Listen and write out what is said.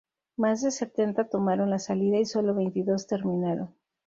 Más de setenta tomaron la salida y solo veintidós terminaron.